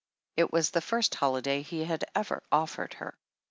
It was the first holi day he had ever offered her.